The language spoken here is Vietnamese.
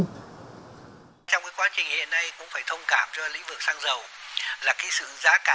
trong quá trình hiện nay cũng phải thông cảm cho lĩnh vực xăng dầu là cái sự giá cả